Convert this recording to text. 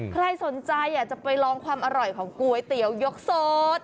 ใครสนใจอยากจะไปลองความอร่อยของก๋วยเตี๋ยวยกสด